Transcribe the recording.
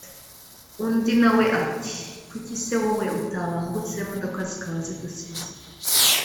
undi nawe ati ‘kuki se wowe utabangutse imodoka zikaba zidusize’